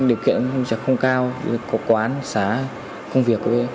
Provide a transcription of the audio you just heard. điều kiện chẳng không cao có quán xá công việc thôi